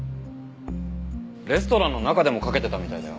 レストランの中でもかけてたみたいだよ。